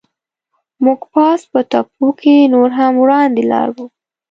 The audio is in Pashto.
موږ پاس په تپو کې نور هم وړاندې ولاړو.